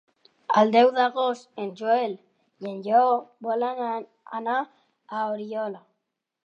El deu d'agost en Joel i en Lleó volen anar a Oriola.